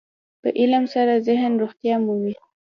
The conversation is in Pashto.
په علم سره ذهن روغتیا مومي.